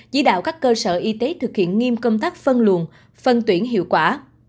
chỉ đạo các cơ sở y tế thực hiện nghiêm công tác phân luồn phân tuyển hiệu quả